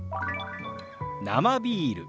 「生ビール」。